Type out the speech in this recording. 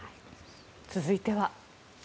続いては。